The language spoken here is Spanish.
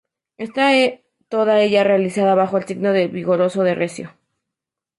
Está toda ella realizada bajo el signo de lo vigoroso y recio.